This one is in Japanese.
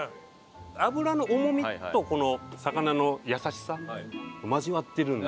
脂の重みとこの魚の優しさ交わってるので。